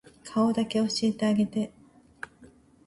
顔だけ教えてあげて